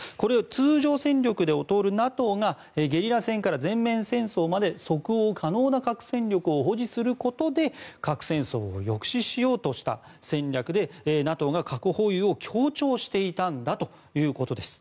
通常戦力で劣るＮＡＴＯがゲリラ戦から全面戦争まで即応可能な核戦力を保持することで核戦争を抑止しようとした戦略でＮＡＴＯが核保有を強調していたということです。